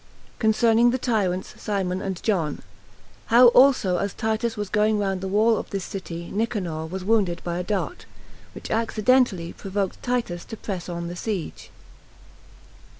Concerning The Tyrants Simon And John. How Also As Titus Was Going Round The Wall Of This City Nicanor Was Wounded By A Dart; Which Accident Provoked Titus To Press On The Siege.